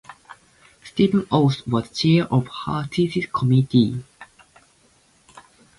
Steven Aust was chair of her thesis committee.